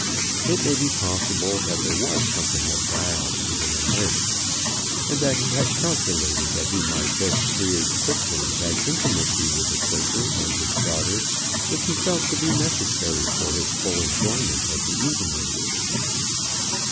It may be possible that there was something of guile even in this, and that he had calculated that he might thus best create quickly that intimacy with the Quaker and his daughter which he felt to be necessary for his full enjoyment of the evening.